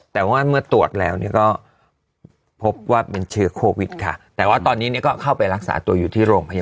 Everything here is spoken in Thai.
แต่ว่าเมื่อตรวจแล้วเนี่ยก็พบว่าเป็นเชื้อโควิดค่ะแต่ว่าตอนนี้เนี่ยก็เข้าไปรักษาตัวอยู่ที่โรงพยาบาล